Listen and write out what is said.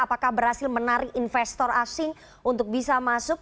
apakah berhasil menarik investor asing untuk bisa masuk